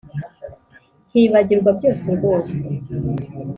nkibagirwa byose rwose